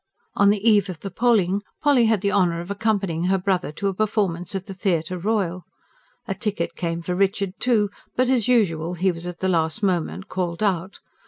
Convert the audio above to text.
On the eve of the polling Polly had the honour of accompanying her brother to a performance at the Theatre Royal. A ticket came for Richard, too; but, as usual, he was at the last moment called out.